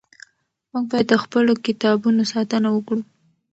موږ باید د خپلو کتابونو ساتنه وکړو.